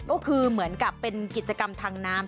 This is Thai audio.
ก็คือเหมือนกับเป็นกิจกรรมทางน้ำ